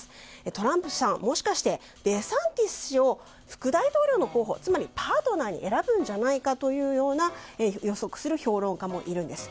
トランプさんもしかしてデサンティス氏を副大統領の候補つまりパートナーに選ぶんじゃないかというような予測する評論家もいるんです。